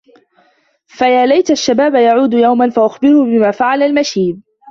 فيا ليت الشباب يعود يوما فأخبره بما فعل المشيب